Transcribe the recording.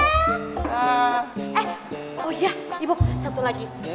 oh iya ibu satu lagi